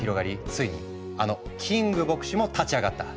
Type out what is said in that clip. ついにあのキング牧師も立ち上がった。